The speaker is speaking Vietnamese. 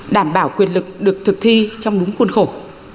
đảm bảo quyền lực được thực thi trong đúng khuôn khổ